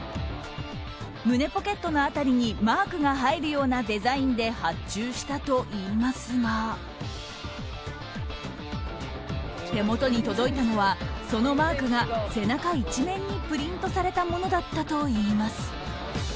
胸ポケットの辺りにマークが入るようなデザインで発注したといいますが手元に届いたのはそのマークが背中一面にプリントされたものだったといいます。